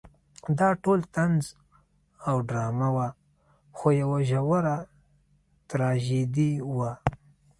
دا ټول طنز او ډرامه وه خو یوه ژوره تراژیدي وه.